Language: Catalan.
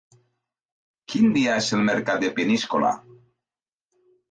Quin dia és el mercat de Peníscola?